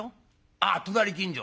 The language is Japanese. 「ああ隣近所？」。